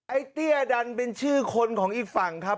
เตี้ยดันเป็นชื่อคนของอีกฝั่งครับ